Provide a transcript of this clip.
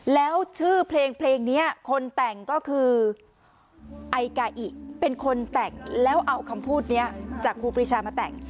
แล้วชื่อเพลงเพลงนี้คนแต่งก็คือไอกาอิเป็นคนแต่งแล้วเอาคำพูดนี้จากครูปรีชามาแต่ง